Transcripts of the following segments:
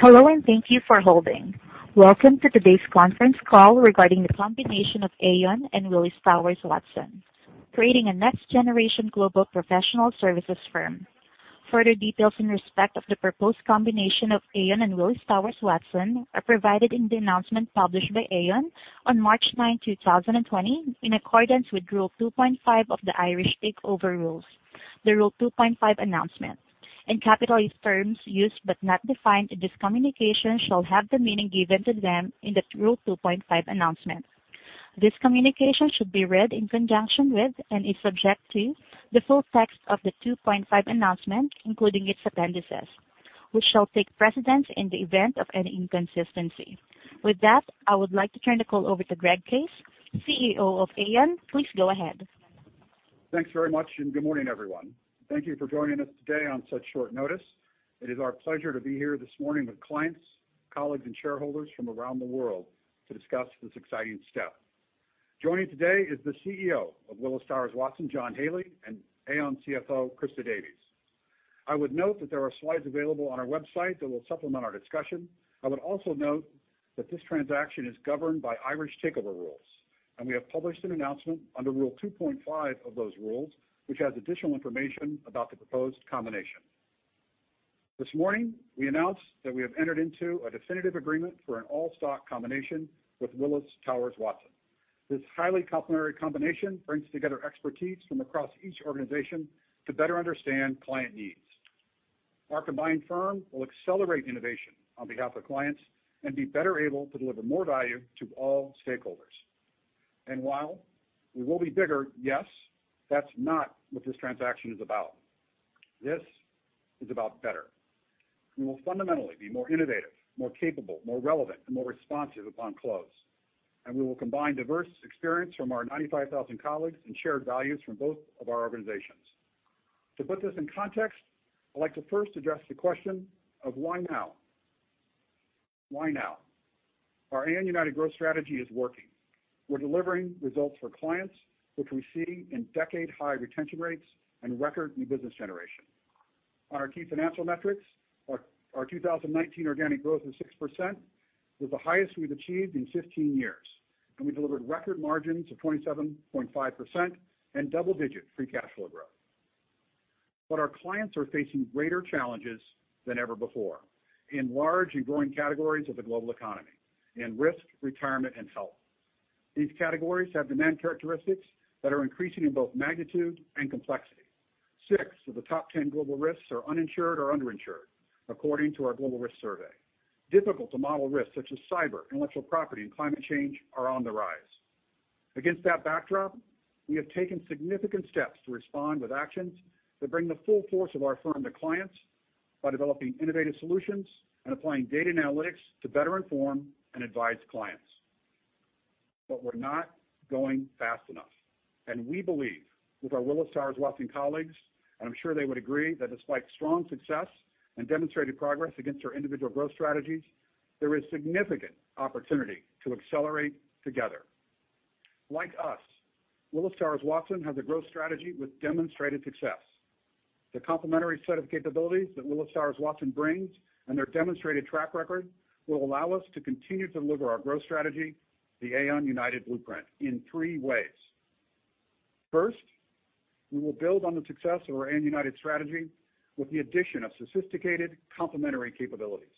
Hello, and thank you for holding. Welcome to today's conference call regarding the combination of Aon and Willis Towers Watson, creating a next-generation global professional services firm. Further details in respect of the proposed combination of Aon and Willis Towers Watson are provided in the announcement published by Aon on March ninth, 2020, in accordance with Rule 2.5 of the Irish Takeover Rules, the Rule 2.5 announcement. In capitalized terms used but not defined in this communication shall have the meaning given to them in the Rule 2.5 announcement. This communication should be read in conjunction with and is subject to the full text of the 2.5 announcement, including its appendices, which shall take precedence in the event of any inconsistency. With that, I would like to turn the call over to Greg Case, Chief Executive Officer of Aon. Please go ahead. Thanks very much. Good morning, everyone. Thank you for joining us today on such short notice. It is our pleasure to be here this morning with clients, colleagues, and shareholders from around the world to discuss this exciting step. Joining today is the Chief Executive Officer of Willis Towers Watson, John Haley, and Aon Chief Financial Officer, Christa Davies. I would note that there are slides available on our website that will supplement our discussion. I would also note that this transaction is governed by Irish Takeover Rules, and we have published an announcement under Rule 2.5 of those rules, which has additional information about the proposed combination. This morning, we announced that we have entered into a definitive agreement for an all-stock combination with Willis Towers Watson. This highly complementary combination brings together expertise from across each organization to better understand client needs. Our combined firm will accelerate innovation on behalf of clients and be better able to deliver more value to all stakeholders. While we will be bigger, yes, that's not what this transaction is about. This is about better. We will fundamentally be more innovative, more capable, more relevant, and more responsive upon close. We will combine diverse experience from our 95,000 colleagues and shared values from both of our organizations. To put this in context, I'd like to first address the question of why now. Why now? Our Aon United growth strategy is working. We're delivering results for clients, which we see in decade-high retention rates and record new business generation. On our key financial metrics, our 2019 organic growth of 6% was the highest we've achieved in 15 years, and we delivered record margins of 27.5% and double-digit free cash flow growth. Our clients are facing greater challenges than ever before in large and growing categories of the global economy, in risk, retirement, and health. These categories have demand characteristics that are increasing in both magnitude and complexity. Six of the top 10 global risks are uninsured or underinsured, according to our global risk survey. Difficult-to-model risks such as cyber, intellectual property, and climate change are on the rise. Against that backdrop, we have taken significant steps to respond with actions that bring the full force of our firm to clients by developing innovative solutions and applying data and analytics to better inform and advise clients. We're not going fast enough, and we believe with our Willis Towers Watson colleagues, and I'm sure they would agree, that despite strong success and demonstrated progress against our individual growth strategies, there is significant opportunity to accelerate together. Like us, Willis Towers Watson has a growth strategy with demonstrated success. The complementary set of capabilities that Willis Towers Watson brings and their demonstrated track record will allow us to continue to deliver our growth strategy, the Aon United blueprint, in three ways. First, we will build on the success of our Aon United strategy with the addition of sophisticated complementary capabilities.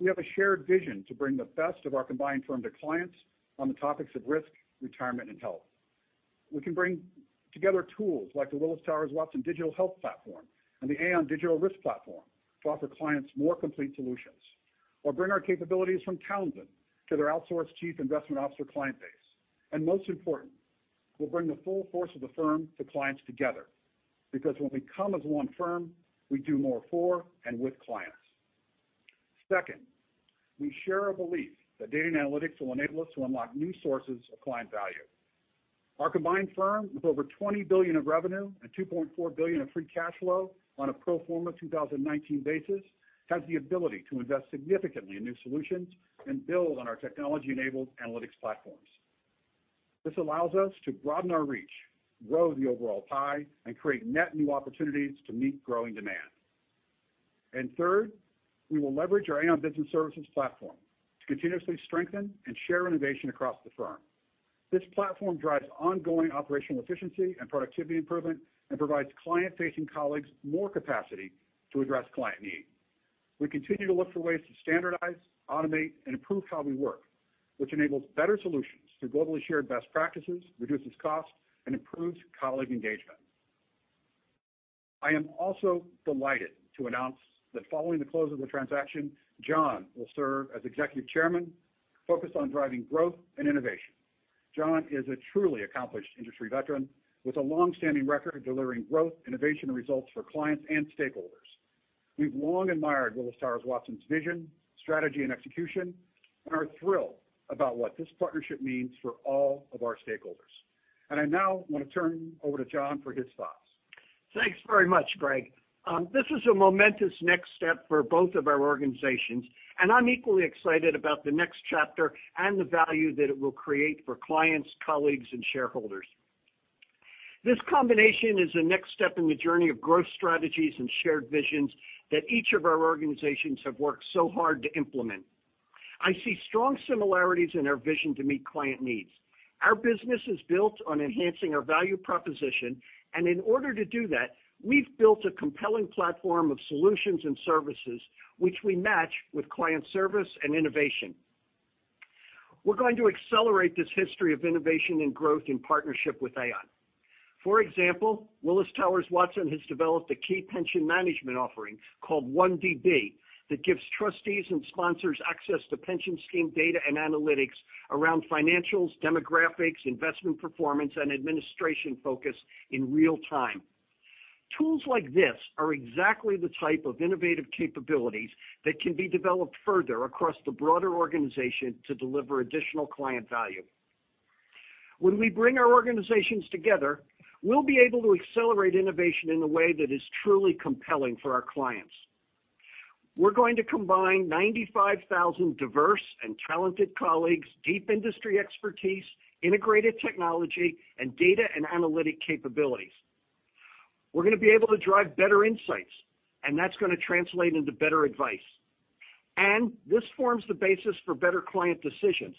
We have a shared vision to bring the best of our combined firm to clients on the topics of risk, retirement, and health. We can bring together tools like the Willis Towers Watson digital health platform and the Aon digital risk platform to offer clients more complete solutions. Bring our capabilities from Townsend to their outsourced chief investment officer client base. Most important, we'll bring the full force of the firm to clients together, because when we come as one firm, we do more for and with clients. Second, we share a belief that data and analytics will enable us to unlock new sources of client value. Our combined firm, with over $20 billion of revenue and $2.4 billion of free cash flow on a pro forma 2019 basis, has the ability to invest significantly in new solutions and build on our technology-enabled analytics platforms. This allows us to broaden our reach, grow the overall pie, and create net new opportunities to meet growing demand. Third, we will leverage our Aon Business Services platform to continuously strengthen and share innovation across the firm. This platform drives ongoing operational efficiency and productivity improvement and provides client-facing colleagues more capacity to address client need. We continue to look for ways to standardize, automate, and improve how we work, which enables better solutions through globally shared best practices, reduces costs, and improves colleague engagement. I am also delighted to announce that following the close of the transaction, John will serve as executive chairman focused on driving growth and innovation. John is a truly accomplished industry veteran with a long-standing record of delivering growth, innovation, and results for clients and stakeholders. We've long admired Willis Towers Watson's vision, strategy, and execution and are thrilled about what this partnership means for all of our stakeholders. I now want to turn over to John for his thoughts. Thanks very much, Greg. This is a momentous next step for both of our organizations, and I'm equally excited about the next chapter and the value that it will create for clients, colleagues, and shareholders. This combination is the next step in the journey of growth strategies and shared visions that each of our organizations have worked so hard to implement. I see strong similarities in our vision to meet client needs. Our business is built on enhancing our value proposition, and in order to do that, we've built a compelling platform of solutions and services which we match with client service and innovation. We're going to accelerate this history of innovation and growth in partnership with Aon. For example, Willis Towers Watson has developed a key pension management offering called OneDB that gives trustees and sponsors access to pension scheme data and analytics around financials, demographics, investment performance, and administration focus in real time. Tools like this are exactly the type of innovative capabilities that can be developed further across the broader organization to deliver additional client value. When we bring our organizations together, we'll be able to accelerate innovation in a way that is truly compelling for our clients. We're going to combine 95,000 diverse and talented colleagues, deep industry expertise, integrated technology, and data and analytic capabilities. We're going to be able to drive better insights, and that's going to translate into better advice. This forms the basis for better client decisions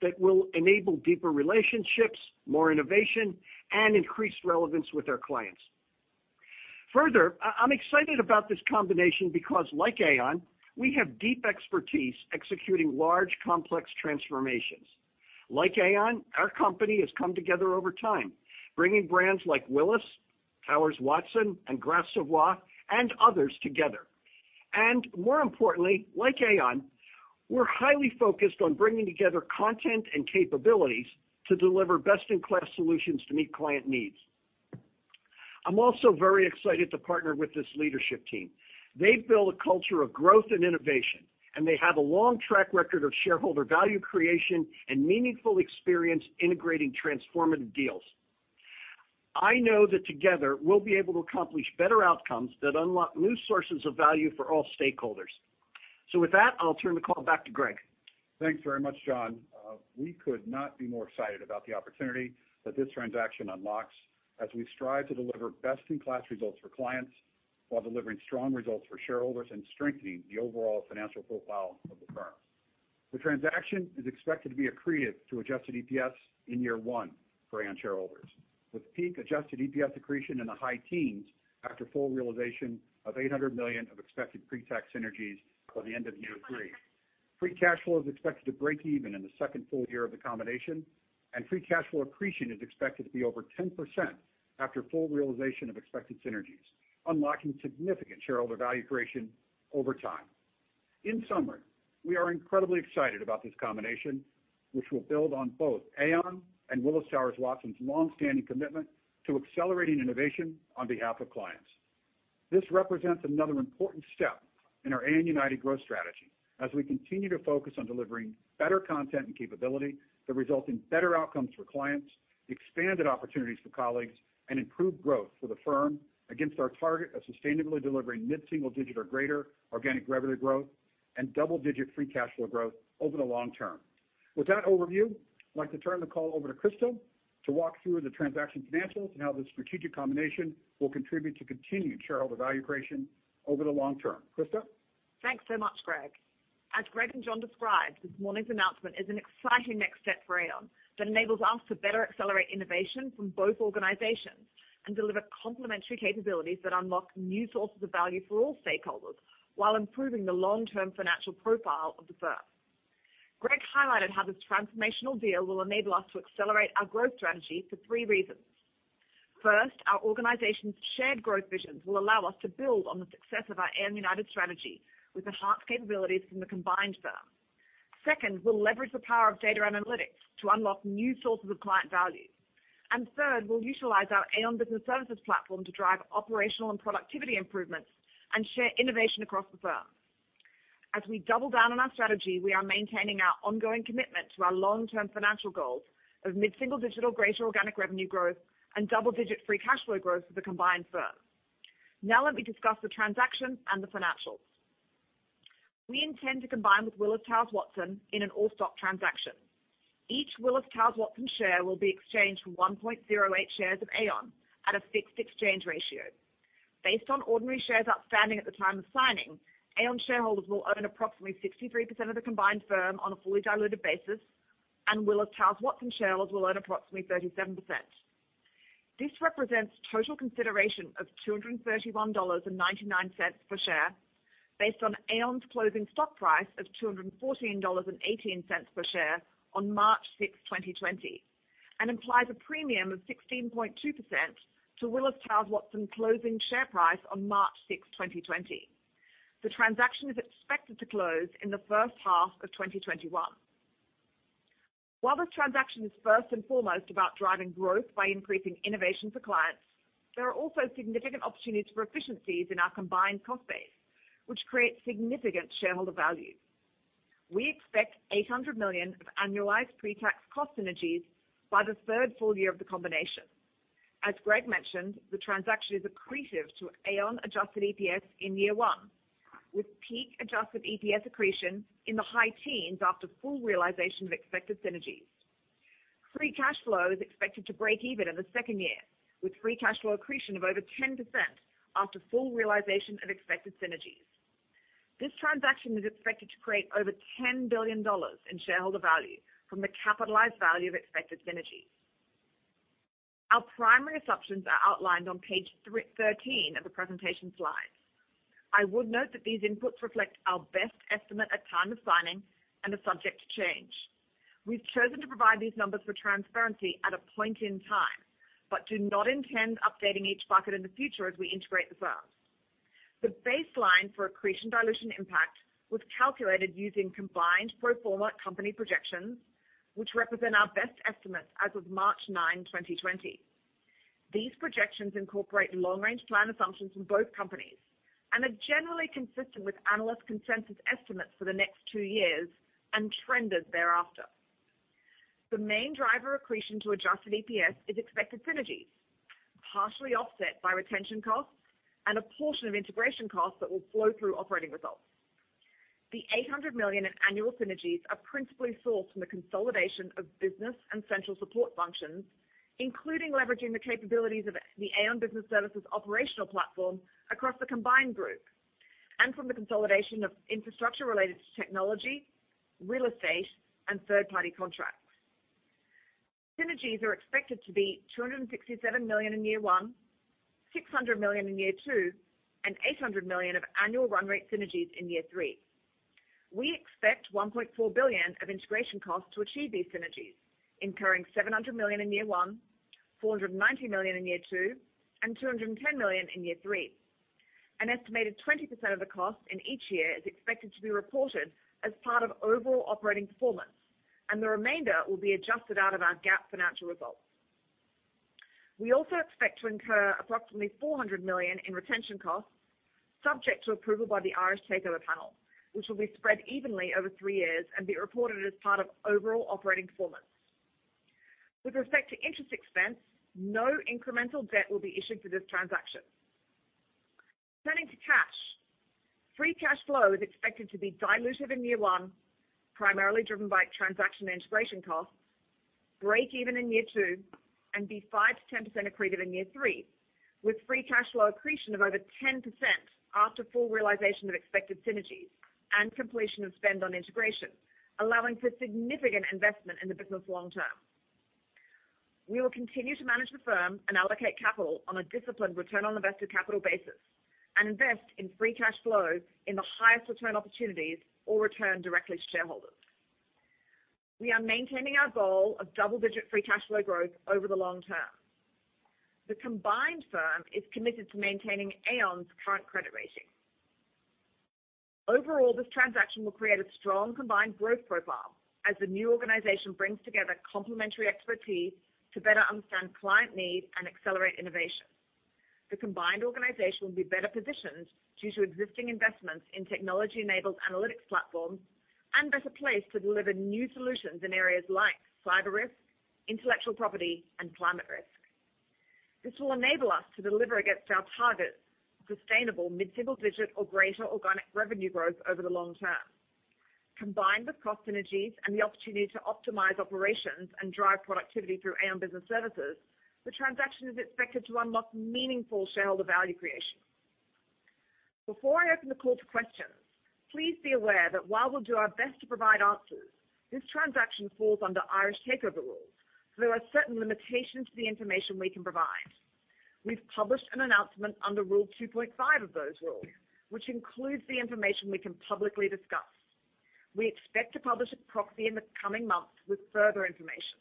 that will enable deeper relationships, more innovation, and increased relevance with our clients. Further, I'm excited about this combination because, like Aon, we have deep expertise executing large, complex transformations. Like Aon, our company has come together over time, bringing brands like Willis, Towers Watson, and Gras Savoye, and others together. More importantly, like Aon, we're highly focused on bringing together content and capabilities to deliver best-in-class solutions to meet client needs. I'm also very excited to partner with this leadership team. They've built a culture of growth and innovation, and they have a long track record of shareholder value creation and meaningful experience integrating transformative deals. I know that together, we'll be able to accomplish better outcomes that unlock new sources of value for all stakeholders. With that, I'll turn the call back to Greg. Thanks very much, John. We could not be more excited about the opportunity that this transaction unlocks as we strive to deliver best-in-class results for clients while delivering strong results for shareholders and strengthening the overall financial profile of the firm. The transaction is expected to be accretive to adjusted EPS in year one for Aon shareholders with peak adjusted EPS accretion in the high teens after full realization of $800 million of expected pre-tax synergies by the end of year three. Free cash flow is expected to break even in the second full year of the combination, and free cash flow accretion is expected to be over 10% after full realization of expected synergies, unlocking significant shareholder value creation over time. In summary, we are incredibly excited about this combination, which will build on both Aon and Willis Towers Watson's longstanding commitment to accelerating innovation on behalf of clients. This represents another important step in our Aon United growth strategy as we continue to focus on delivering better content and capability that result in better outcomes for clients, expanded opportunities for colleagues, and improved growth for the firm against our target of sustainably delivering mid-single digit or greater organic revenue growth and double-digit free cash flow growth over the long term. With that overview, I'd like to turn the call over to Christa to walk through the transaction financials and how the strategic combination will contribute to continued shareholder value creation over the long term. Christa? Thanks so much, Greg. As Greg and John described, this morning's announcement is an exciting next step for Aon that enables us to better accelerate innovation from both organizations and deliver complementary capabilities that unlock new sources of value for all stakeholders while improving the long-term financial profile of the firm. Greg highlighted how this transformational deal will enable us to accelerate our growth strategy for three reasons. First, our organizations' shared growth visions will allow us to build on the success of our Aon United strategy with enhanced capabilities from the combined firm. Second, we'll leverage the power of data and analytics to unlock new sources of client value. Third, we'll utilize our Aon Business Services platform to drive operational and productivity improvements and share innovation across the firm. As we double down on our strategy, we are maintaining our ongoing commitment to our long-term financial goals of mid-single digit greater organic revenue growth and double-digit free cash flow growth for the combined firm. Now let me discuss the transaction and the financials. We intend to combine with Willis Towers Watson in an all-stock transaction. Each Willis Towers Watson share will be exchanged for 1.08 shares of Aon at a fixed exchange ratio. Based on ordinary shares outstanding at the time of signing, Aon shareholders will own approximately 63% of the combined firm on a fully diluted basis, and Willis Towers Watson shareholders will own approximately 37%. This represents total consideration of $231.99 per share based on Aon's closing stock price of $214.18 per share on March sixth, 2020, and implies a premium of 16.2% to Willis Towers Watson closing share price on March sixth, 2020. The transaction is expected to close in the first half of 2021. While this transaction is first and foremost about driving growth by increasing innovation for clients, there are also significant opportunities for efficiencies in our combined cost base, which creates significant shareholder value. We expect $800 million of annualized pre-tax cost synergies by the third full year of the combination. As Greg mentioned, the transaction is accretive to Aon adjusted EPS in year one with peak adjusted EPS accretion in the high teens after full realization of expected synergies. Free cash flow is expected to break even in the second year, with free cash flow accretion of over 10% after full realization of expected synergies. This transaction is expected to create over $10 billion in shareholder value from the capitalized value of expected synergies. Our primary assumptions are outlined on page 13 of the presentation slides. I would note that these inputs reflect our best estimate at time of signing and are subject to change. We've chosen to provide these numbers for transparency at a point in time, but do not intend updating each bucket in the future as we integrate the firms. The baseline for accretion dilution impact was calculated using combined pro forma company projections, which represent our best estimates as of March 9, 2020. These projections incorporate long-range plan assumptions from both companies and are generally consistent with analyst consensus estimates for the next two years and trenders thereafter. The main driver accretion to adjusted EPS is expected synergies, partially offset by retention costs and a portion of integration costs that will flow through operating results. The $800 million in annual synergies are principally sourced from the consolidation of business and central support functions, including leveraging the capabilities of the Aon Business Services operational platform across the combined group, and from the consolidation of infrastructure related to technology, real estate, and third party contracts. Synergies are expected to be $267 million in year one, $600 million in year two, and $800 million of annual run rate synergies in year three. We expect $1.4 billion of integration costs to achieve these synergies, incurring $700 million in year one, $490 million in year two, and $210 million in year three. An estimated 20% of the cost in each year is expected to be reported as part of overall operating performance, and the remainder will be adjusted out of our GAAP financial results. We also expect to incur approximately $400 million in retention costs, subject to approval by the Irish Takeover Panel, which will be spread evenly over three years and be reported as part of overall operating performance. With respect to interest expense, no incremental debt will be issued for this transaction. Turning to cash, free cash flow is expected to be dilutive in year one, primarily driven by transaction and integration costs, break even in year two, and be 5%-10% accretive in year three, with free cash flow accretion of over 10% after full realization of expected synergies and completion of spend on integration, allowing for significant investment in the business long term. We will continue to manage the firm and allocate capital on a disciplined return on invested capital basis and invest in free cash flow in the highest return opportunities or return directly to shareholders. We are maintaining our goal of double-digit free cash flow growth over the long term. The combined firm is committed to maintaining Aon's current credit rating. Overall, this transaction will create a strong combined growth profile as the new organization brings together complementary expertise to better understand client need and accelerate innovation. The combined organization will be better positioned due to existing investments in technology-enabled analytics platforms and better placed to deliver new solutions in areas like cyber risk, intellectual property, and climate risk. This will enable us to deliver against our target sustainable mid-single digit or greater organic revenue growth over the long term. Combined with cost synergies and the opportunity to optimize operations and drive productivity through Aon Business Services, the transaction is expected to unlock meaningful shareholder value creation. Before I open the call to questions, please be aware that while we'll do our best to provide answers, this transaction falls under Irish Takeover Rules, there are certain limitations to the information we can provide. We've published an announcement under Rule 2.5 of those rules, which includes the information we can publicly discuss. We expect to publish a proxy in the coming months with further information.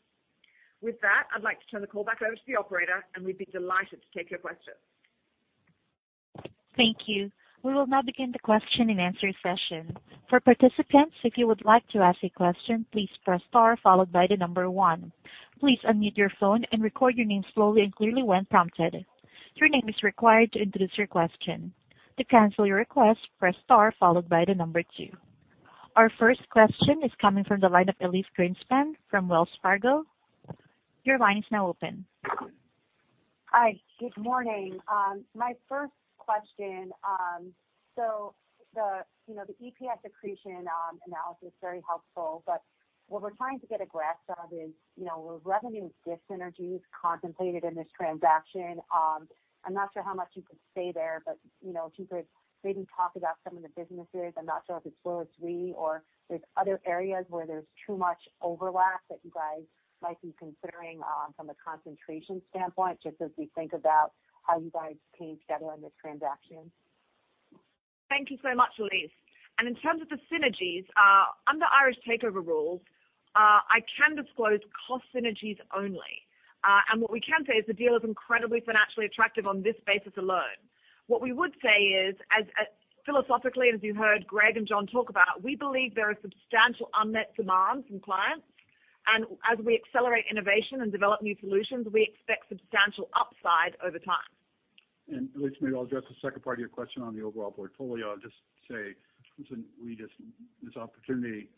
With that, I'd like to turn the call back over to the operator, we'd be delighted to take your questions. Thank you. We will now begin the question and answer session. For participants, if you would like to ask a question, please press star followed by the number one. Please unmute your phone and record your name slowly and clearly when prompted. Your name is required to introduce your question. To cancel your request, press star followed by the number two. Our first question is coming from the line of Elyse Greenspan from Wells Fargo. Your line is now open. Hi. Good morning. My first question. The EPS accretion analysis, very helpful. What we're trying to get a grasp of is, were revenue dyssynergies contemplated in this transaction? I'm not sure how much you can say there, but if you could maybe talk about some of the businesses. I'm not sure if it's Willis Re or there's other areas where there's too much overlap that you guys might be considering from a concentration standpoint, just as we think about how you guys came together on this transaction. Thank you so much, Elyse. In terms of the synergies, under Irish Takeover Rules, I can disclose cost synergies only. What we can say is, philosophically, as you heard Greg and John talk about, we believe there are substantial unmet demands from clients. As we accelerate innovation and develop new solutions, we expect substantial upside over time. Elyse, maybe I'll address the second part of your question on the overall portfolio. I'll just say Listen, this opportunity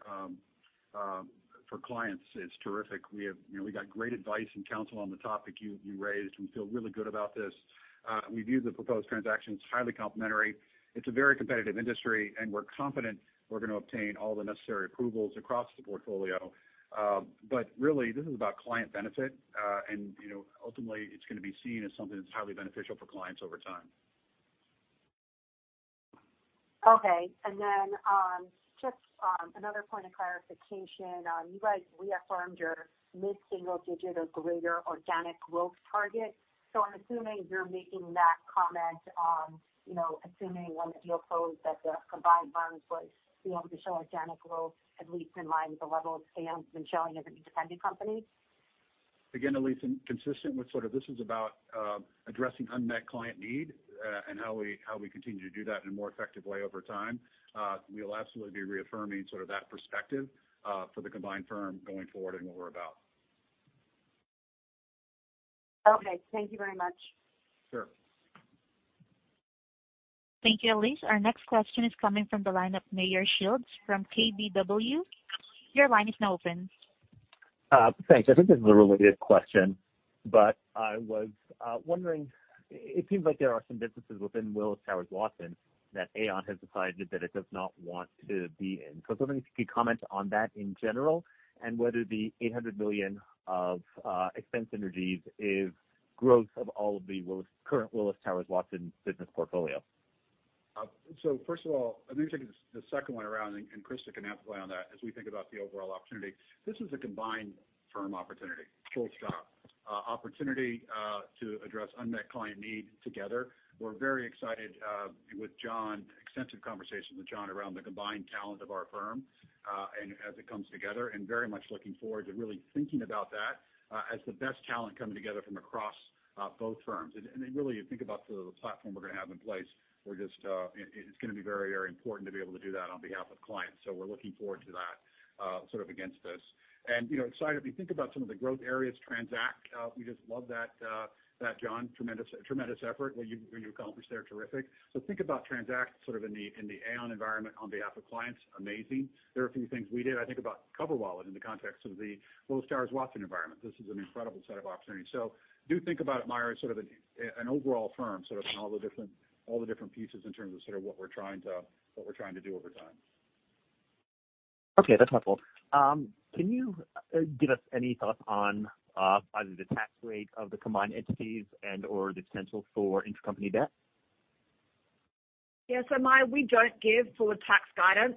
for clients is terrific. We have got great advice and counsel on the topic you raised. We feel really good about this. We view the proposed transaction as highly complementary. It's a very competitive industry, and we're confident we're going to obtain all the necessary approvals across the portfolio. Really, this is about client benefit, and ultimately, it's going to be seen as something that's highly beneficial for clients over time. Okay. Then just another point of clarification. You guys reaffirmed your mid-single digit or greater organic growth target. I'm assuming you're making that comment assuming when the deal closed that the combined firms would be able to show organic growth at least in line with the level of Aon's been showing as an independent company? Again, Elyse, consistent with this is about addressing unmet client need and how we continue to do that in a more effective way over time. We'll absolutely be reaffirming that perspective for the combined firm going forward and what we're about. Okay. Thank you very much. Sure. Thank you, Elyse. Our next question is coming from the line of Meyer Shields from KBW. Your line is now open. Thanks. I think this is a related question, but I was wondering, it seems like there are some businesses within Willis Towers Watson that Aon has decided that it does not want to be in. I was wondering if you could comment on that in general and whether the $800 million of expense synergies is growth of all of the current Willis Towers Watson business portfolio. First of all, let me take the second one around, and Christa can add play on that as we think about the overall opportunity. This is a combined firm opportunity, full stop. Opportunity to address unmet client need together. We're very excited with John, extensive conversations with John around the combined talent of our firm, and as it comes together, and very much looking forward to really thinking about that as the best talent coming together from across both firms. Really, you think about the platform we're going to have in place. It's going to be very important to be able to do that on behalf of clients. We're looking forward to that against this. Excited, we think about some of the growth areas, TRANZACT. We just love that, John. Tremendous effort, what you've accomplished there, terrific. Think about TRANZACT in the Aon environment on behalf of clients. Amazing. There are a few things we did. I think about CoverWallet in the context of the Willis Towers Watson environment. This is an incredible set of opportunities. Do think about it, Meyer, an overall firm, all the different pieces in terms of what we're trying to do over time. Okay, that's helpful. Can you give us any thoughts on either the tax rate of the combined entities and/or the potential for intercompany debt? Yeah. Meyer, we don't give forward tax guidance.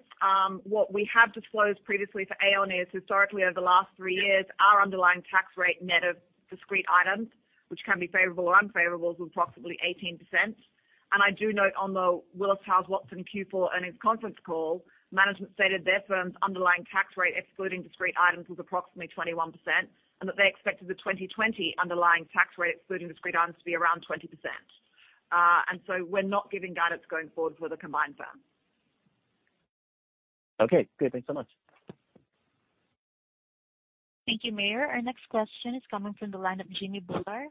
What we have disclosed previously for Aon is historically over the last three years, our underlying tax rate net of discrete items, which can be favorable or unfavorable, was approximately 18%. I do note on the Willis Towers Watson Q4 earnings conference call, management stated their firm's underlying tax rate, excluding discrete items, was approximately 21%, and that they expected the 2020 underlying tax rate, excluding discrete items, to be around 20%. We're not giving guidance going forward for the combined firm. Okay, good. Thanks so much. Thank you, Meyer. Our next question is coming from the line of Jimmy Bhullar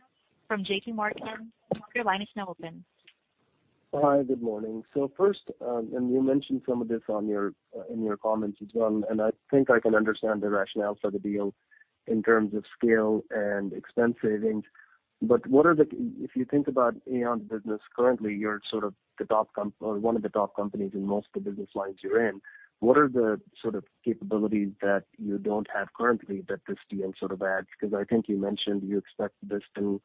from J.P. Morgan. Your line is now open. Hi, good morning. First, you mentioned some of this in your comments as well, and I think I can understand the rationale for the deal in terms of scale and expense savings. If you think about Aon's business currently, you're one of the top companies in most of the business lines you're in. What are the capabilities that you don't have currently that this deal adds? I think you mentioned you expect this to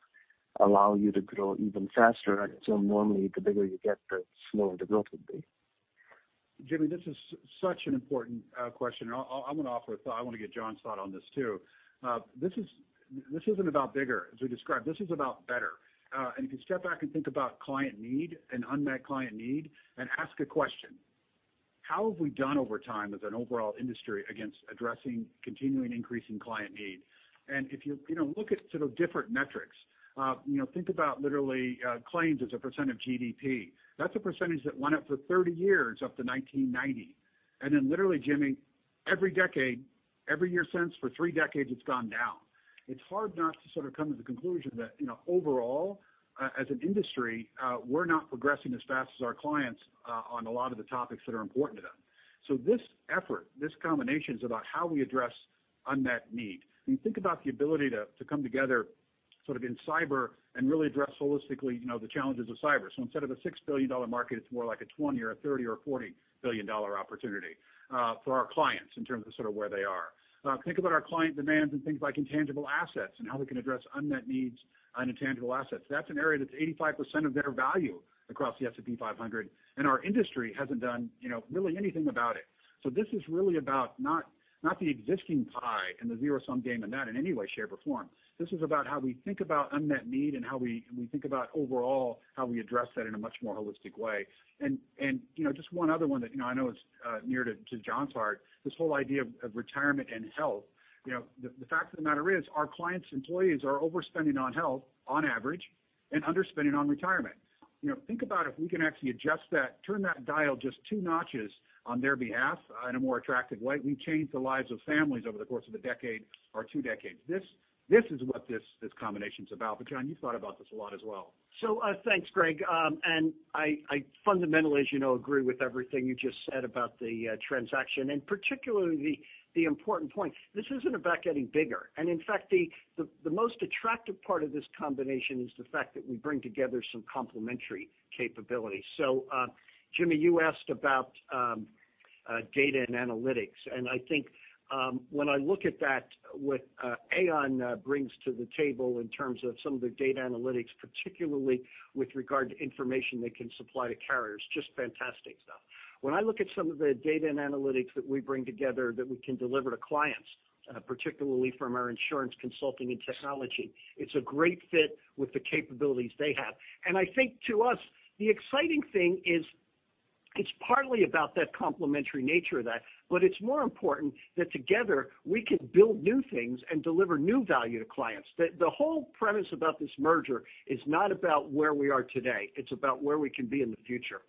allow you to grow even faster. I'd assume normally the bigger you get, the slower the growth would be. Jimmy, this is such an important question, and I'm going to offer a thought. I want to get John's thought on this, too. This isn't about bigger, as we described. This is about better. If you step back and think about client need and unmet client need and ask a question, how have we done over time as an overall industry against addressing continuing increasing client need? If you look at different metrics, think about literally claims as a percent of GDP. That's a percentage that went up for 30 years up to 1990. Then literally, Jimmy, every decade, every year since, for three decades, it's gone down. It's hard not to come to the conclusion that overall, as an industry, we're not progressing as fast as our clients on a lot of the topics that are important to them. This effort, this combination, is about how we address unmet need. When you think about the ability to come together in cyber and really address holistically the challenges of cyber. Instead of a $6 billion market, it's more like a 20 or a 30 or a $40 billion opportunity for our clients in terms of where they are. Think about our client demands and things like intangible assets and how we can address unmet needs on intangible assets. That's an area that's 85% of their value across the S&P 500, and our industry hasn't done really anything about it. This is really about not the existing pie and the zero-sum game in that in any way, shape, or form. This is about how we think about unmet need and how we think about overall how we address that in a much more holistic way. Just one other one that I know is near to John's heart, this whole idea of retirement and health. The fact of the matter is our clients' employees are overspending on health on average and underspending on retirement. Think about if we can actually adjust that, turn that dial just two notches on their behalf in a more attractive way. We've changed the lives of families over the course of a decade or two decades. This is what this combination's about. John, you've thought about this a lot as well. Thanks, Greg. I fundamentally, as you know, agree with everything you just said about the transaction, and particularly the important point. This isn't about getting bigger. In fact, the most attractive part of this combination is the fact that we bring together some complementary capabilities. Jimmy, you asked about data and analytics. I think when I look at that, what Aon brings to the table in terms of some of the data analytics, particularly with regard to information they can supply to carriers, just fantastic stuff. When I look at some of the data and analytics that we bring together that we can deliver to clients, particularly from our Insurance Consulting & Technology, it's a great fit with the capabilities they have. I think to us, the exciting thing is it's partly about that complementary nature of that, but it's more important that together we can build new things and deliver new value to clients. The whole premise about this merger is not about where we are today. It's about where we can be in the future.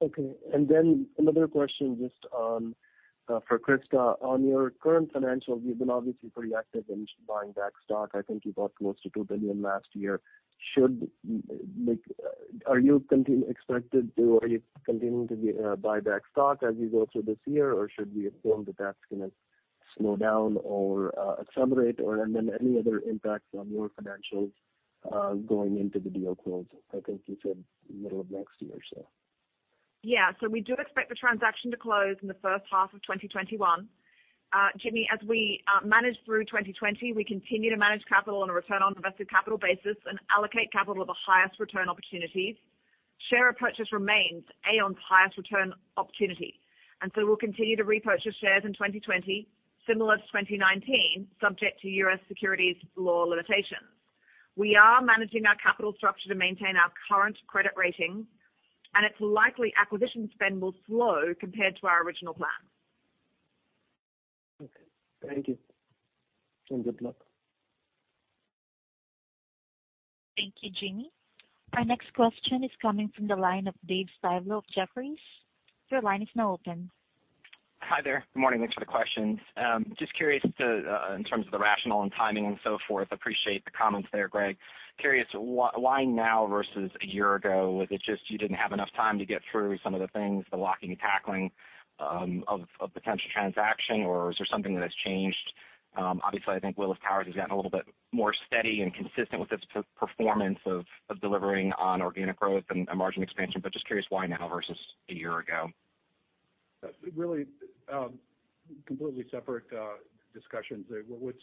Okay. Another question just for Christa. On your current financials, you've been obviously pretty active in buying back stock. I think you bought close to $2 billion last year. Are you expecting to, or are you continuing to buy back stock as you go through this year? Or should we assume that that's going to slow down or accelerate, or and then any other impacts on your financials going into the deal close? I think you said middle of next year. Yeah. We do expect the transaction to close in the first half of 2021. Jimmy, as we manage through 2020, we continue to manage capital on a return on invested capital basis and allocate capital of the highest return opportunities. Share repurchase remains Aon's highest return opportunity. We'll continue to repurchase shares in 2020, similar to 2019, subject to U.S. securities law limitations. We are managing our capital structure to maintain our current credit rating, and it's likely acquisition spend will slow compared to our original plan. Okay. Thank you. Good luck. Thank you, Jimmy. Our next question is coming from the line of David Styblo of Jefferies. Your line is now open. Hi there. Good morning. Thanks for the questions. Just curious in terms of the rationale and timing and so forth, appreciate the comments there, Greg. Curious, why now versus a year ago? Was it just you didn't have enough time to get through some of the things, the locking and tackling of potential transaction, or is there something that has changed? Obviously, I think Willis Towers has gotten a little bit more steady and consistent with its performance of delivering on organic growth and margin expansion, but just curious why now versus a year ago? Really, completely separate discussions.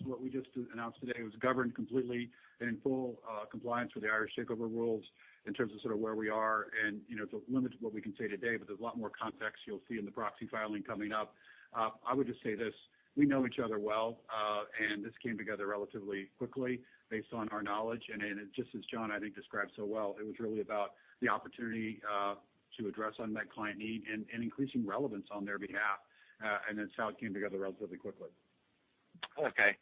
What we just announced today was governed completely and in full compliance with the Irish Takeover Rules in terms of sort of where we are and the limits of what we can say today, but there's a lot more context you'll see in the proxy filing coming up. I would just say this, we know each other well, and this came together relatively quickly based on our knowledge. Just as John, I think described so well, it was really about the opportunity to address unmet client need and increasing relevance on their behalf. It came together relatively quickly. Okay.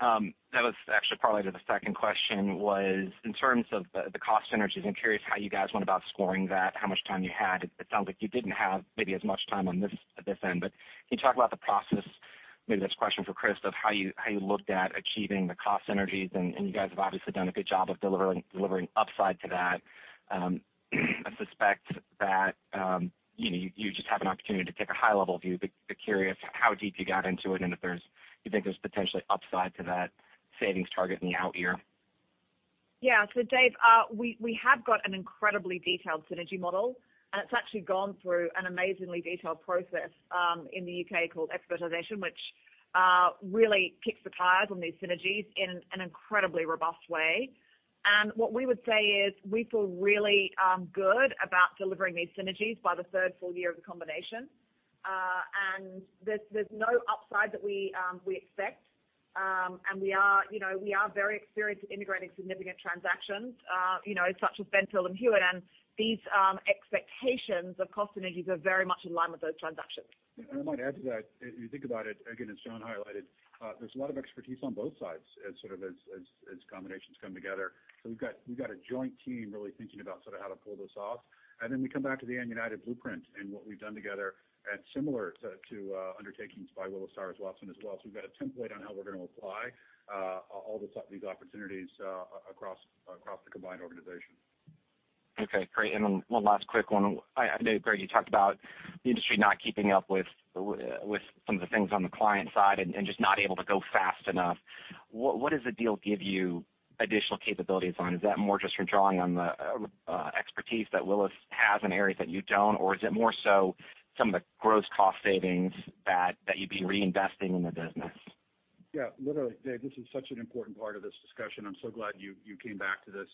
That was actually partly to the second question was in terms of the cost synergies, I'm curious how you guys went about scoring that, how much time you had. It sounds like you didn't have maybe as much time on this at this end, can you talk about the process? Maybe this question for Christa of how you looked at achieving the cost synergies, you guys have obviously done a good job of delivering upside to that. I suspect that you just have an opportunity to take a high-level view, but curious how deep you got into it and if you think there's potentially upside to that savings target in the out year. Yeah. So Dave, we have got an incredibly detailed synergy model. It's actually gone through an amazingly detailed process in the U.K. called expertization, which really kicks the tires on these synergies in an incredibly robust way. What we would say is we feel really good about delivering these synergies by the third full year of the combination. There's no upside that we expect. We are very experienced at integrating significant transactions, such as Benfield and Hewitt, and these expectations of cost synergies are very much in line with those transactions. I might add to that, if you think about it, again, as John highlighted, there's a lot of expertise on both sides as combinations come together. We've got a joint team really thinking about how to pull this off. We come back to the Aon United blueprint and what we've done together at similar to undertakings by Willis Towers Watson as well. We've got a template on how we're going to apply all these opportunities across the combined organization. Okay, great. One last quick one. I know, Greg, you talked about the industry not keeping up with some of the things on the client side and just not able to go fast enough. What does the deal give you additional capabilities on? Is that more just for drawing on the expertise that Willis has in areas that you don't? Or is it more so some of the gross cost savings that you'd be reinvesting in the business? Literally, Dave, this is such an important part of this discussion. I'm so glad you came back to this.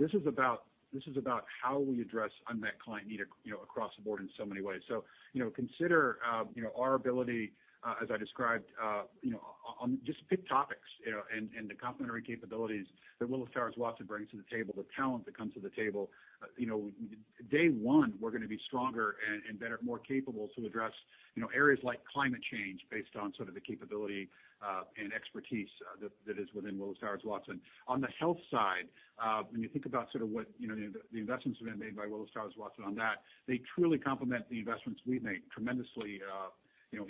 This is about how we address unmet client need across the board in so many ways. Consider our ability, as I described, on just pick topics and the complementary capabilities that Willis Towers Watson brings to the table, the talent that comes to the table. Day one, we're going to be stronger and better, more capable to address areas like climate change based on sort of the capability and expertise that is within Willis Towers Watson. On the health side, when you think about sort of what the investments have been made by Willis Towers Watson on that, they truly complement the investments we've made tremendously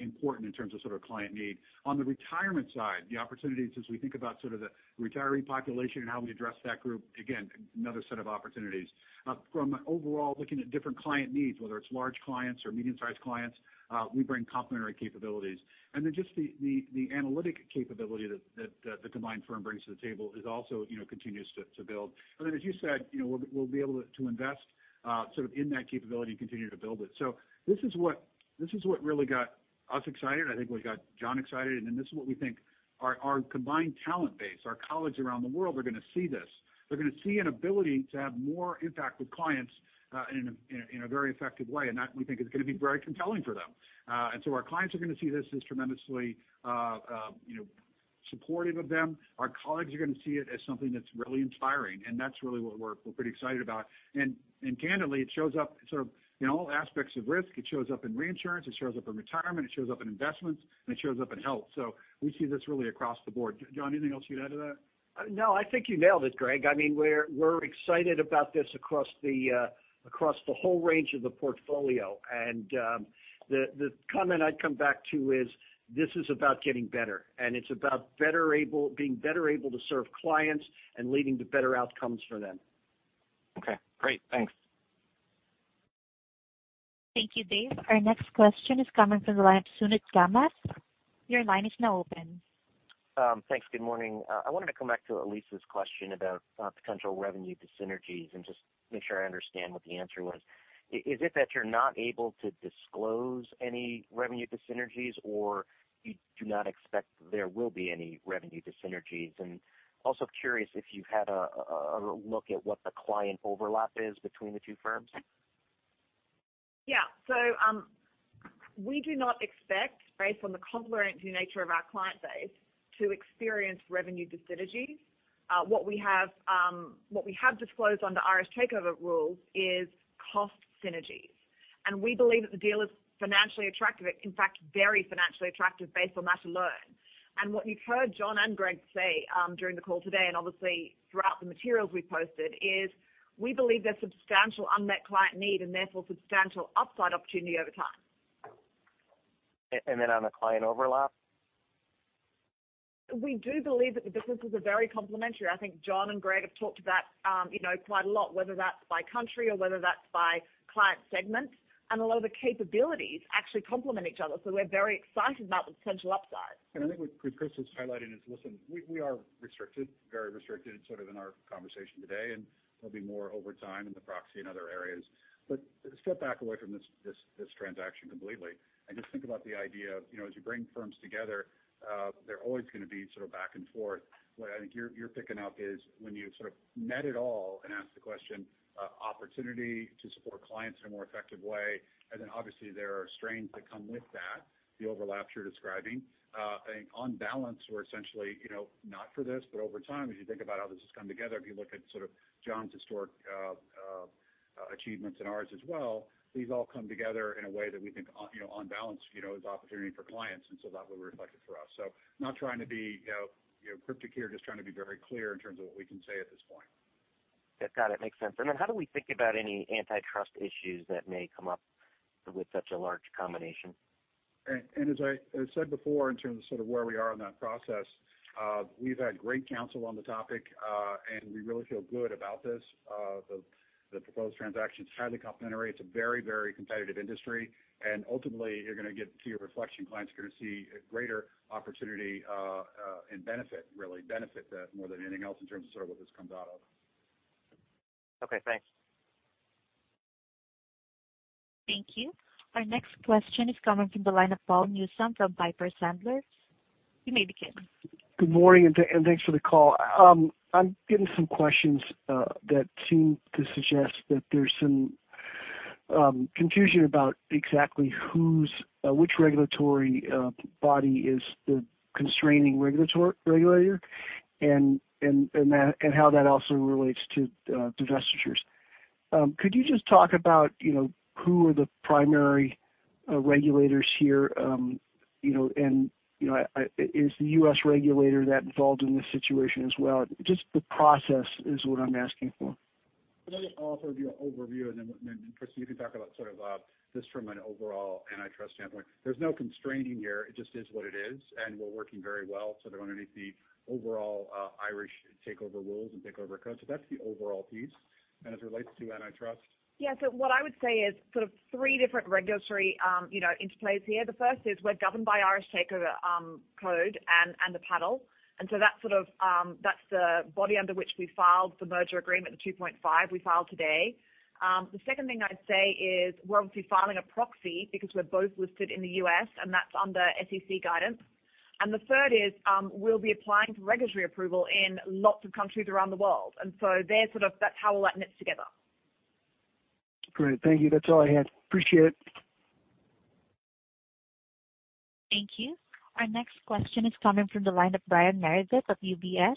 important in terms of client need. On the retirement side, the opportunities as we think about the retiring population and how we address that group, again, another set of opportunities. From overall looking at different client needs, whether it's large clients or medium-sized clients, we bring complementary capabilities. Just the analytic capability that the combined firm brings to the table also continues to build. As you said, we'll be able to invest in that capability and continue to build it. This is what really got us excited, I think what got John excited, this is what we think our combined talent base, our colleagues around the world are going to see this. They're going to see an ability to have more impact with clients in a very effective way. That, we think, is going to be very compelling for them. Our clients are going to see this as tremendously supportive of them. Our colleagues are going to see it as something that's really inspiring, that's really what we're pretty excited about. Candidly, it shows up in all aspects of risk. It shows up in reinsurance, it shows up in retirement, it shows up in investments, and it shows up in health. We see this really across the board. John, anything else you'd add to that? I think you nailed it, Greg. We're excited about this across the whole range of the portfolio. The comment I'd come back to is, this is about getting better, it's about being better able to serve clients and leading to better outcomes for them. Okay, great. Thanks. Thank you, Dave. Our next question is coming from the line of Suneet Kamath. Your line is now open. Thanks. Good morning. I wanted to come back to Elyse's question about potential revenue dyssynergies and just make sure I understand what the answer was. Is it that you're not able to disclose any revenue dyssynergies, or you do not expect there will be any revenue dyssynergies? Also curious if you've had a look at what the client overlap is between the two firms. Yeah. We do not expect, based on the complementary nature of our client base, to experience revenue dyssynergies. What we have disclosed under Irish Takeover Rules is cost synergies. We believe that the deal is financially attractive, in fact, very financially attractive based on that alone. What you've heard John and Greg say during the call today, and obviously throughout the materials we've posted, is we believe there's substantial unmet client need and therefore substantial upside opportunity over time. On the client overlap? We do believe that the businesses are very complementary. I think John and Greg have talked to that quite a lot, whether that's by country or whether that's by client segments. A lot of the capabilities actually complement each other. We're very excited about the potential upside. I think what Christa was highlighting is, listen, we are restricted, very restricted in our conversation today, and there'll be more over time in the proxy in other areas. Step back away from this transaction completely and just think about the idea of as you bring firms together, they're always going to be back and forth. What I think you're picking up is when you net it all and ask the question, opportunity to support clients in a more effective way, and then obviously there are strains that come with that, the overlaps you're describing. I think on balance, we're essentially not for this, but over time, as you think about how this has come together, if you look at John's historic achievements and ours as well, these all come together in a way that we think on balance is opportunity for clients. That's what we reflected for us. I'm not trying to be cryptic here, just trying to be very clear in terms of what we can say at this point. Got it. Makes sense. Then how do we think about any antitrust issues that may come up with such a large combination? As I said before in terms of where we are in that process, we've had great counsel on the topic, and we really feel good about this. The proposed transaction is highly complementary, it's a very competitive industry. Ultimately, you're going to get to your reflection, clients are going to see a greater opportunity, and benefit really, more than anything else in terms of what this comes out of. Okay, thanks. Thank you. Our next question is coming from the line of Paul Newsome from Piper Sandler. You may begin. Good morning, and thanks for the call. I'm getting some questions that seem to suggest that there's some confusion about exactly which regulatory body is the constraining regulator and how that also relates to divestitures. Could you just talk about who are the primary regulators here? Is the U.S. regulator that involved in this situation as well? Just the process is what I'm asking for. I'll just offer the overview, and then, Christa, you can talk about this from an overall antitrust standpoint. There's no constraining here. It just is what it is, and we're working very well underneath the overall Irish Takeover Rules and takeover codes. That's the overall piece. As it relates to antitrust? Yeah. What I would say is three different regulatory interplays here. The first is we're governed by Irish Takeover Code and the Irish Takeover Panel. That's the body under which we filed the merger agreement, the Rule 2.5 we filed today. The second thing I'd say is we're obviously filing a proxy because we're both listed in the U.S., and that's under SEC guidance. The third is we'll be applying for regulatory approval in lots of countries around the world. That's how all that knits together. Great. Thank you. That's all I had. Appreciate it. Thank you. Our next question is coming from the line of Brian Meredith of UBS.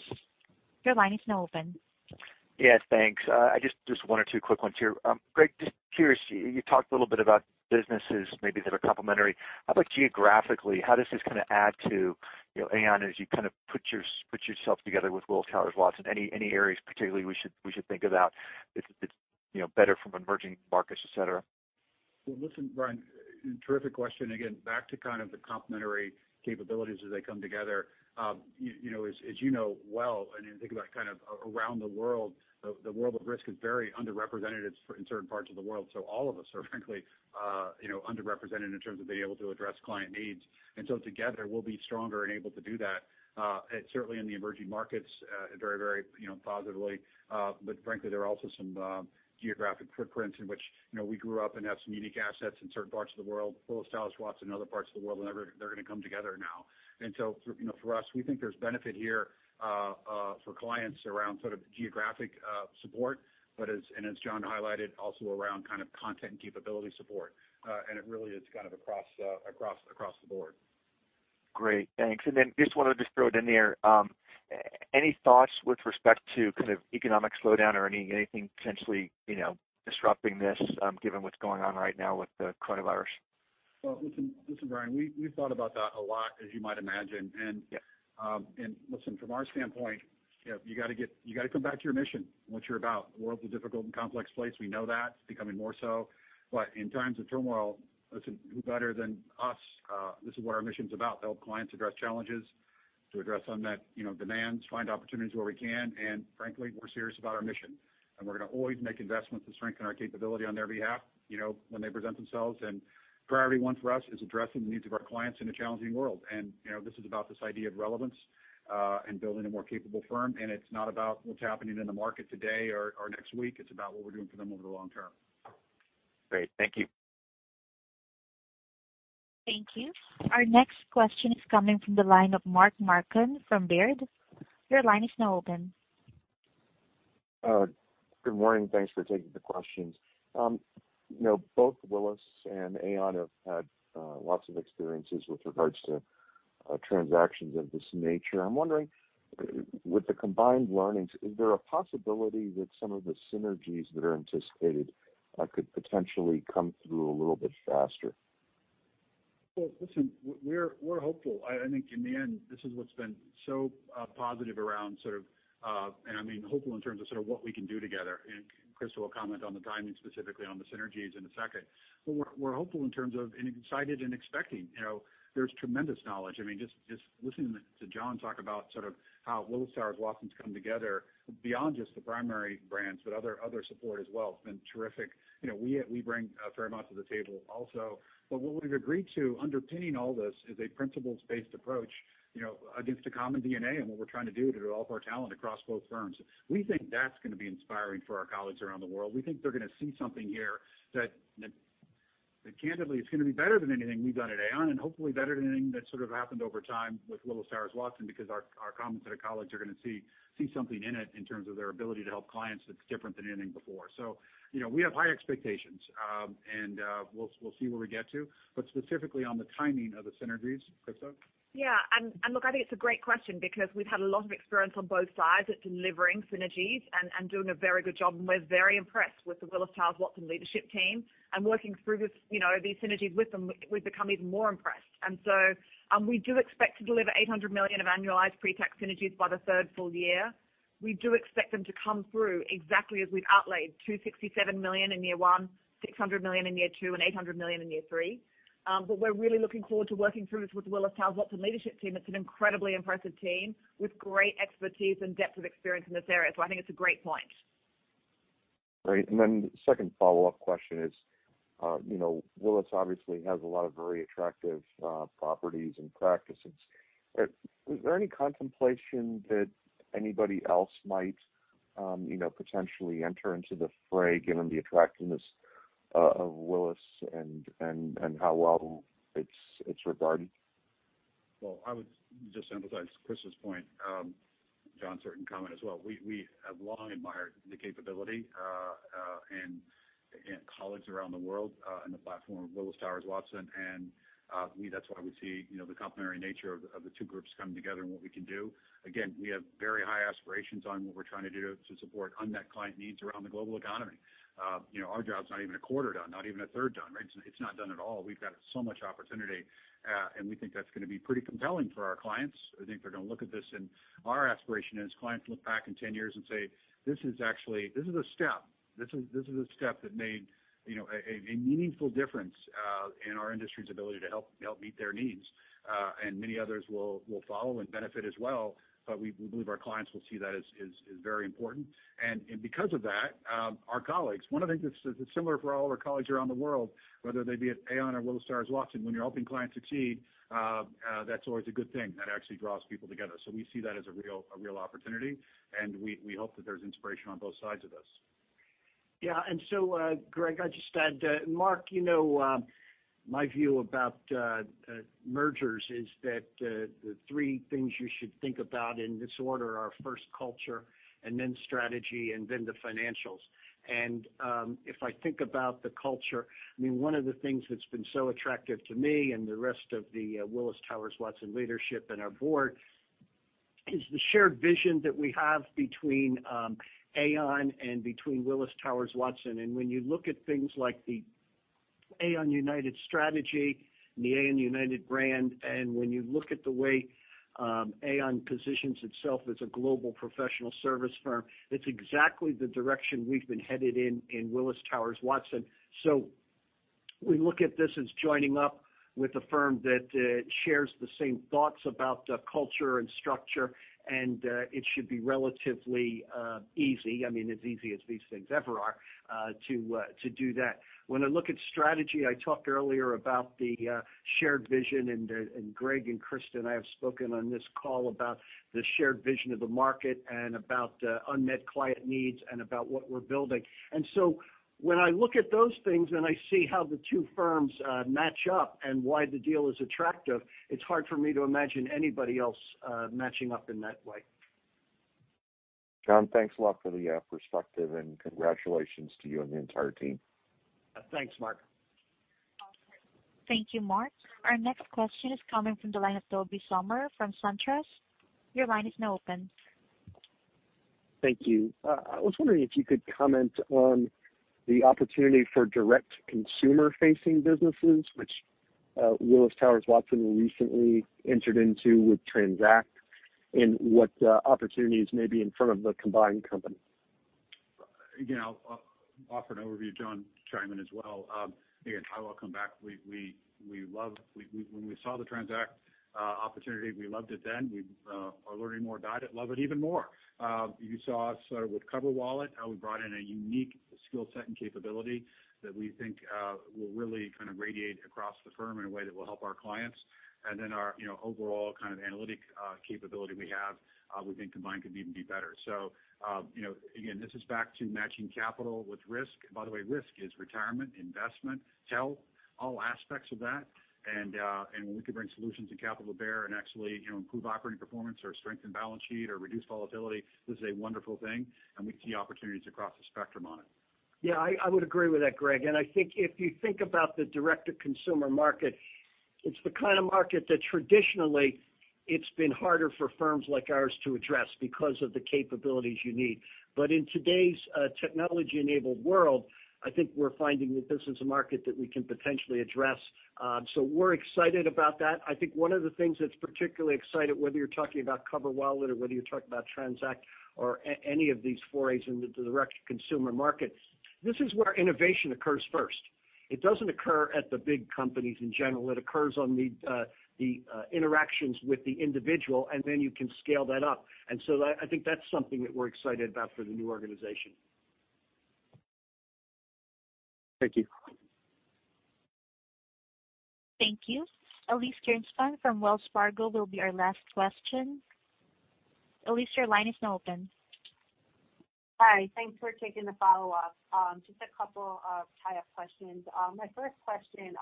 Your line is now open. Yes, thanks. Just one or two quick ones here. Greg, just curious, you talked a little bit about businesses maybe that are complementary. How about geographically, how this is going to add to Aon as you put yourself together with Willis Towers Watson? Any areas particularly we should think about if it's better from emerging markets, et cetera? Well, listen, Brian, terrific question. Again, back to kind of the complementary capabilities as they come together. As you know well, you think about kind of around the world, the world of risk is very underrepresented in certain parts of the world. All of us are frankly underrepresented in terms of being able to address client needs. Together, we'll be stronger and able to do that. Certainly in the emerging markets, very positively. Frankly, there are also some geographic footprints in which we grew up and have some unique assets in certain parts of the world. Willis Towers Watson in other parts of the world, they're going to come together now. For us, we think there's benefit here for clients around sort of geographic support. As John highlighted, also around kind of content and capability support. It really is kind of across the board. Great, thanks. Then just wanted to just throw it in there. Any thoughts with respect to kind of economic slowdown or anything potentially disrupting this given what's going on right now with the coronavirus? Well, listen, Brian, we've thought about that a lot as you might imagine. Yeah Listen, from our standpoint, you've got to come back to your mission, what you're about. The world's a difficult and complex place. We know that. It's becoming more so. In times of turmoil, listen, who better than us? This is what our mission's about, to help clients address challenges, to address unmet demands, find opportunities where we can. Frankly, we're serious about our mission. We're going to always make investments to strengthen our capability on their behalf when they present themselves. Priority one for us is addressing the needs of our clients in a challenging world. This is about this idea of relevance, and building a more capable firm. It's not about what's happening in the market today or next week. It's about what we're doing for them over the long term. Great. Thank you. Thank you. Our next question is coming from the line of Mark Marcon from Baird. Your line is now open. Good morning. Thanks for taking the questions. Both Willis and Aon have had lots of experiences with regards to transactions of this nature. I'm wondering, with the combined learnings, is there a possibility that some of the synergies that are anticipated could potentially come through a little bit faster? Well, listen, we're hopeful. I think in the end, this is what's been so positive around sort of I mean hopeful in terms of sort of what we can do together. Christa will comment on the timing specifically on the synergies in a second. We're hopeful in terms of, and excited and expecting. There's tremendous knowledge. Just listening to John talk about sort of how Willis Towers Watson's come together beyond just the primary brands, but other support as well. It's been terrific. We bring a fair amount to the table also. What we've agreed to underpinning all this is a principles-based approach against a common DNA and what we're trying to do to develop our talent across both firms. We think that's going to be inspiring for our colleagues around the world. We think they're going to see something here that candidly is going to be better than anything we've done at Aon and hopefully better than anything that sort of happened over time with Willis Towers Watson because our common set of colleagues are going to see something in it in terms of their ability to help clients that's different than anything before. We have high expectations. We'll see where we get to. Specifically on the timing of the synergies, Christa? Yeah. Look, I think it's a great question because we've had a lot of experience on both sides at delivering synergies and doing a very good job, and we're very impressed with the Willis Towers Watson leadership team and working through these synergies with them, we've become even more impressed. We do expect to deliver $800 million of annualized pre-tax synergies by the third full year. We do expect them to come through exactly as we've outlaid, $267 million in year one, $600 million in year two, and $800 million in year three. We're really looking forward to working through this with Willis Towers Watson leadership team. It's an incredibly impressive team with great expertise and depth of experience in this area. I think it's a great point. Great. Second follow-up question is, Willis obviously has a lot of very attractive properties and practices. Is there any contemplation that anybody else might potentially enter into the fray given the attractiveness of Willis and how well it's regarded? Well, I would just emphasize Christa's point, John certain comment as well. We have long admired the capability and colleagues around the world, and the platform of Willis Towers Watson. To me, that's why we see the complementary nature of the two groups coming together and what we can do. Again, we have very high aspirations on what we're trying to do to support unmet client needs around the global economy. Our job's not even a quarter done, not even a third done, right? It's not done at all. We've got so much opportunity. We think that's going to be pretty compelling for our clients. I think they're going to look at this and our aspiration is clients look back in 10 years and say, "This is a step. This is a step that made a meaningful difference in our industry's ability to help meet their needs." Many others will follow and benefit as well. We believe our clients will see that as very important. Because of that, our colleagues, one of the things that's similar for all of our colleagues around the world, whether they be at Aon or Willis Towers Watson, when you're helping clients succeed, that's always a good thing. That actually draws people together. We see that as a real opportunity, and we hope that there's inspiration on both sides of this. Yeah. Greg, I'll just add, Mark, my view about mergers is that the three things you should think about in this order are first culture, and then strategy, and then the financials. If I think about the culture, one of the things that's been so attractive to me and the rest of the Willis Towers Watson leadership and our board is the shared vision that we have between Aon and between Willis Towers Watson. When you look at things like the Aon United strategy and the Aon United brand. When you look at the way Aon positions itself as a global professional service firm, it's exactly the direction we've been headed in Willis Towers Watson. We look at this as joining up with a firm that shares the same thoughts about the culture and structure, and it should be relatively easy. I mean, as easy as these things ever are to do that. When I look at strategy, I talked earlier about the shared vision, and Greg and Christa and I have spoken on this call about the shared vision of the market and about unmet client needs and about what we're building. When I look at those things and I see how the two firms match up and why the deal is attractive, it's hard for me to imagine anybody else matching up in that way. John, thanks a lot for the perspective, and congratulations to you and the entire team. Thanks, Mark. Thank you, Mark. Our next question is coming from the line of Tobey Sommer from SunTrust. Your line is now open. Thank you. I was wondering if you could comment on the opportunity for direct consumer-facing businesses, which Willis Towers Watson recently entered into with TRANZACT, and what opportunities may be in front of the combined company. Again, I'll offer an overview, John, to chime in as well. Again, I welcome back. When we saw the TRANZACT opportunity, we loved it then. We are learning more about it, love it even more. You saw us start with CoverWallet, how we brought in a unique skill set and capability that we think will really kind of radiate across the firm in a way that will help our clients. Our overall kind of analytic capability we have we think combined could even be better. Again, this is back to matching capital with risk. By the way, risk is retirement, investment, health, all aspects of that. When we can bring solutions to capital bear and actually improve operating performance or strengthen balance sheet or reduce volatility, this is a wonderful thing, and we see opportunities across the spectrum on it. I would agree with that, Greg. I think if you think about the direct-to-consumer market, it's the kind of market that traditionally it's been harder for firms like ours to address because of the capabilities you need. In today's technology-enabled world, I think we're finding that this is a market that we can potentially address. We're excited about that. I think one of the things that's particularly exciting, whether you're talking about CoverWallet or whether you're talking about TRANZACT or any of these forays into the direct-to-consumer market, this is where innovation occurs first. It doesn't occur at the big companies in general. It occurs on the interactions with the individual, and then you can scale that up. I think that's something that we're excited about for the new organization. Thank you. Thank you. Elyse Greenspan from Wells Fargo will be our last question. Elyse, your line is now open. Hi. Thanks for taking the follow-up. Just a couple of tie-up questions. My first question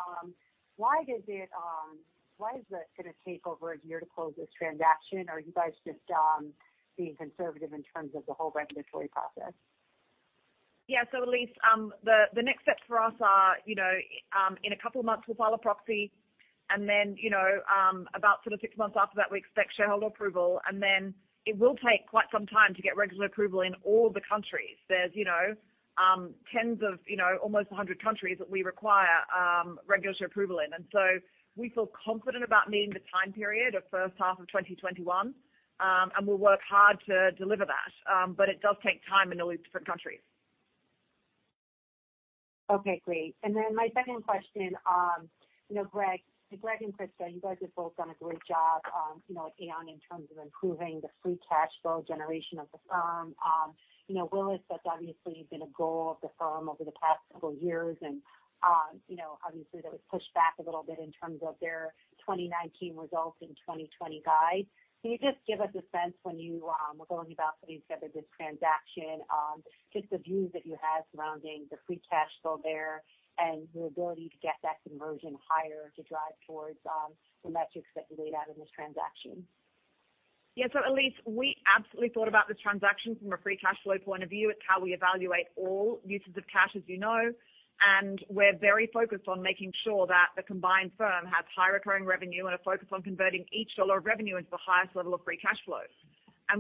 why is it going to take over a year to close this transaction? Are you guys just being conservative in terms of the whole regulatory process? Yeah. Elyse, the next steps for us are in a couple of months, we'll file a proxy, then about sort of 6 months after that, we expect shareholder approval, then it will take quite some time to get regulatory approval in all the countries. There's almost 100 countries that we require regulatory approval in. We feel confident about meeting the time period of first half of 2021, and we'll work hard to deliver that. It does take time in all these different countries. Okay, great. My second question Greg and Christa, you guys have both done a great job at Aon in terms of improving the free cash flow generation of the firm. Willis has obviously been a goal of the firm over the past couple years, and obviously that was pushed back a little bit in terms of their 2019 results and 2020 guide. Can you just give us a sense when you were going about putting together this transaction just the views that you had surrounding the free cash flow there and your ability to get that conversion higher to drive towards the metrics that you laid out in this transaction? Yeah. Elyse, we absolutely thought about this transaction from a free cash flow point of view. It's how we evaluate all uses of cash, as you know, we're very focused on making sure that the combined firm has high recurring revenue and a focus on converting each dollar of revenue into the highest level of free cash flow.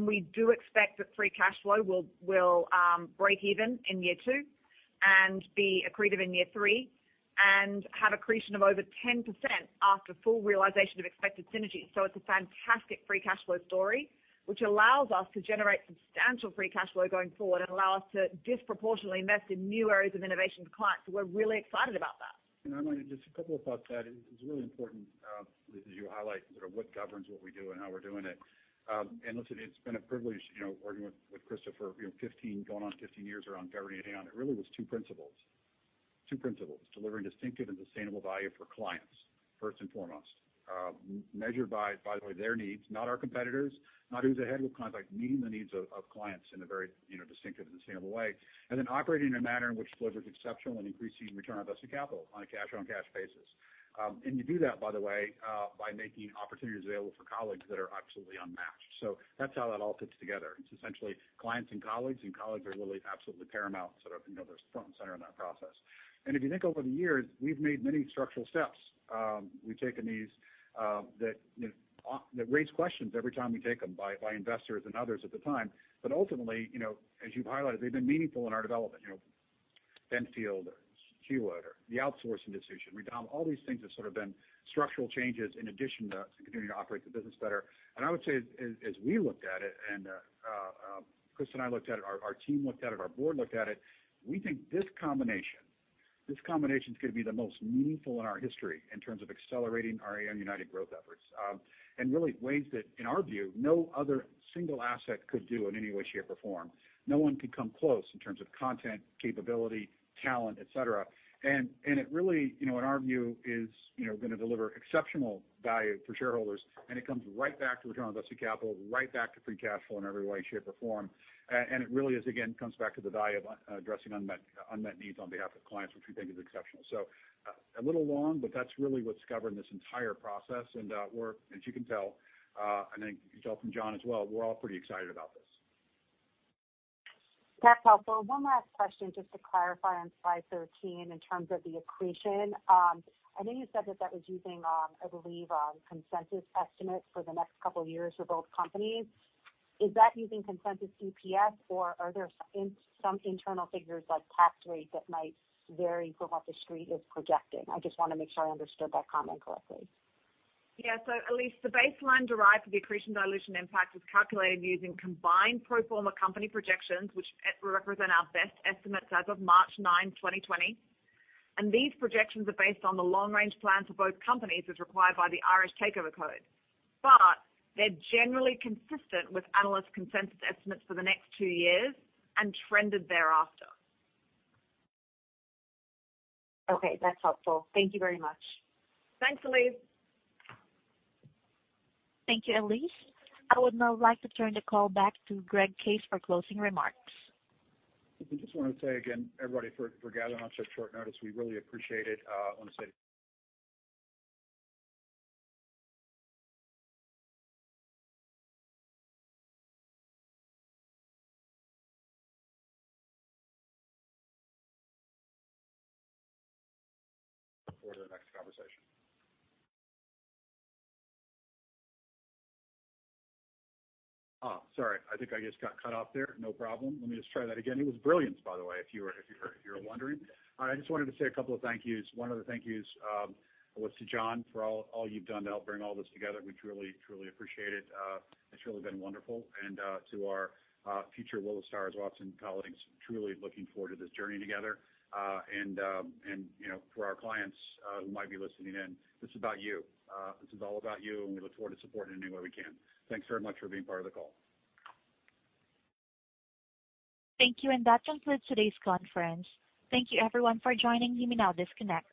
We do expect that free cash flow will break even in year 2 and be accretive in year 3 and have accretion of over 10% after full realization of expected synergies. It's a fantastic free cash flow story, which allows us to generate substantial free cash flow going forward and allow us to disproportionately invest in new areas of innovation with clients. We're really excited about that. I'm going to just a couple of thoughts to add. It's really important, Elyse, as you highlight sort of what governs what we do and how we're doing it. Listen, it's been a privilege working with Christa for going on 15 years around governing Aon. It really was two principles. Two principles, delivering distinctive and sustainable value for clients first and foremost measured by the way, their needs, not our competitors, not who's ahead. We'll kind of like meeting the needs of clients in a very distinctive and sustainable way, then operating in a manner in which delivers exceptional and increasing return on invested capital on a cash-on-cash basis. You do that, by the way by making opportunities available for colleagues that are absolutely unmatched. That's how that all fits together. It's essentially clients and colleagues, and colleagues are really absolutely paramount, sort of front and center in that process. If you think over the years, we've made many structural steps. We've taken these that raise questions every time we take them by investors and others at the time. Ultimately as you've highlighted, they've been meaningful in our development. Benfield or Keywood or the outsourcing decision, redomiciliation. All these things have sort of been structural changes in addition to continuing to operate the business better. I would say as we looked at it, and Christa and I looked at it, our team looked at it, our board looked at it, we think this combination is going to be the most meaningful in our history in terms of accelerating our Aon United growth efforts. Really ways that, in our view, no other single asset could do in any way, shape, or form. No one could come close in terms of content, capability, talent, et cetera. It really, in our view, is going to deliver exceptional value for shareholders. It comes right back to return on invested capital, right back to free cash flow in every way, shape, or form. It really, again, comes back to the value of addressing unmet needs on behalf of clients, which we think is exceptional. A little long, but that's really what's governed this entire process. We're, as you can tell, I think you can tell from John as well, we're all pretty excited about this. That's helpful. One last question just to clarify on slide 13 in terms of the accretion. I think you said that that was using, I believe, consensus estimates for the next couple of years for both companies. Is that using consensus EPS, or are there some internal figures like tax rates that might vary from what the street is projecting? I just want to make sure I understood that comment correctly. Yeah. Elyse, the baseline derived for the accretion dilution impact is calculated using combined pro forma company projections, which represent our best estimates as of March 9, 2020. These projections are based on the long-range plan for both companies as required by the Irish Takeover Rules. They're generally consistent with analyst consensus estimates for the next two years and trended thereafter. Okay, that's helpful. Thank you very much. Thanks, Elyse. Thank you, Elyse. I would now like to turn the call back to Greg Case for closing remarks. I just want to say again, everybody, for gathering on such short notice, we really appreciate it. I want to say forward to the next conversation. Sorry. I think I just got cut off there. No problem. Let me just try that again. It was brilliance, by the way, if you were wondering. I just wanted to say a couple of thank yous. One of the thank yous was to John for all you've done to help bring all this together. We truly appreciate it. It's really been wonderful. To our future Willis Towers Watson colleagues, truly looking forward to this journey together. For our clients who might be listening in, this is about you. This is all about you, and we look forward to supporting in any way we can. Thanks very much for being part of the call. Thank you, that concludes today's conference. Thank you everyone for joining. You may now disconnect.